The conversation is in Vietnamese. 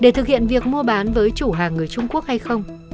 để thực hiện việc mua bán với chủ hàng người trung quốc hay không